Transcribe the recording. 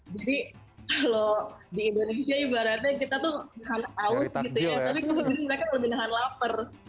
jadi kalau di indonesia ibaratnya kita tuh tahan aus gitu ya tapi kemudian mereka lebih tahan lapar